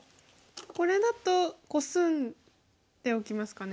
これだとコスんでおきますかね。